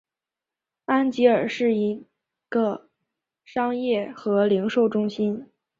安吉尔是一个商业和零售中心。